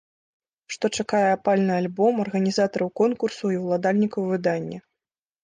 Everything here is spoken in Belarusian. Што чакае апальны альбом, арганізатараў конкурсу і ўладальнікаў выдання.